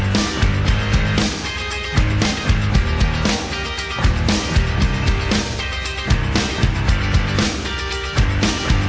สวัสดีครับ